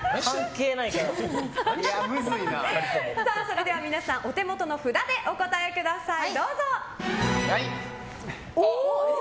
それではお手元の札でお答えください。